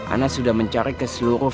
anda sudah mencari ke seluruh